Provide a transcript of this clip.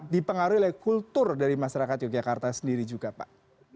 dipengaruhi oleh kultur dari masyarakat yogyakarta sendiri juga pak